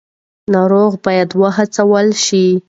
ناروغ باید وهڅول شي.